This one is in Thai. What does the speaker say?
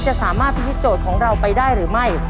จะสามารถพิธีโจทย์ของเราไปได้หรือไม่